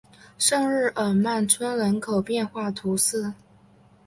圣日耳曼村人口变化图示